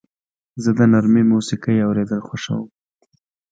زه د نرمې موسیقۍ اورېدل خوښوم.